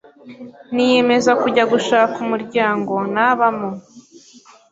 niyemeza kujya gushaka umuryango nabamo